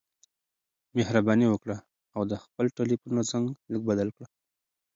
مهرباني وکړه او د خپل ټیلیفون زنګ لږ بدل کړه.